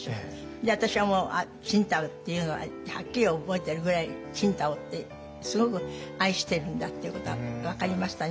で私はもう青島っていうのははっきり覚えてるぐらい青島ってすごく愛してるんだっていうことは分かりましたね